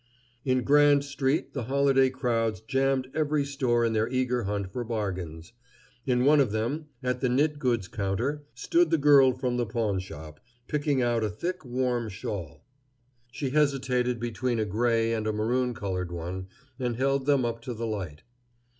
In Grand street the holiday crowds jammed every store in their eager hunt for bargains. In one of them, at the knit goods counter, stood the girl from the pawnshop, picking out a thick, warm shawl. She hesitated between a gray and a maroon colored one, and held them up to the light.